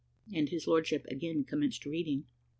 And his lordship again commenced reading.